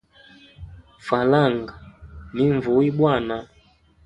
Falanga ni nvuya bwana.